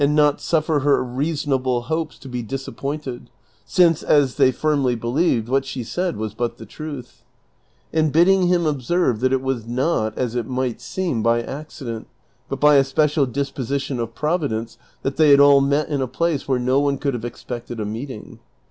not suffer her reasonable hopes to be disappointed, since, as they firmly believed, what she said was but the truth ; and bidding him observe that it was not, as it might seem, by accident, but by a special disposition of Providence that they had all met in a place where no one could have expected a meeting.